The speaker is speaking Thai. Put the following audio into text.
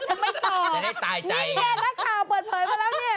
นี่ไงนักข่าวเปิดเผยไปแล้วนี่